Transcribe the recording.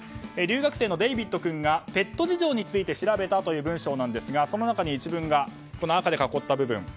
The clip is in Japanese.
留学生のデイビット君がペット事情について調べたという文章なんですがその中に一文が赤で囲った部分。